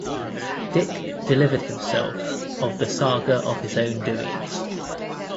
Dick delivered himself of the saga of his own doings.